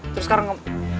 terus sekarang kemana